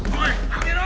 開けろ！